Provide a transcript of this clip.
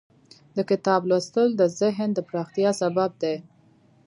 د کتاب لوستل د ذهن د پراختیا سبب دی.